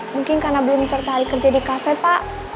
mungkin karena belum tertarik kerja di kafe pak